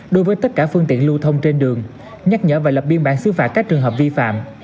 đối với tất cả phương tiện lưu thông trên đường nhắc nhở và lập biên bản xứ phạt các trường hợp vi phạm